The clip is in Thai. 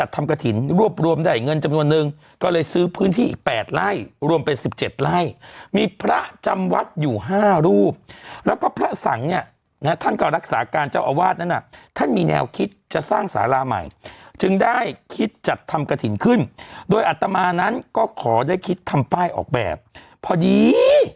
ท่านก็รักษาการเจ้าอาวาสนั้นน่ะท่านมีแนวคิดจะสร้างศาละใหม่จึงได้คิดจัดทำกระถิ่นขึ้นโดยอัตมานั้นก็ขอได้คิดทำป้ายออกแบบพอดี